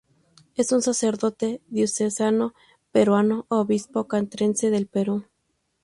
Es un sacerdote diocesano peruano, obispo Castrense del Perú.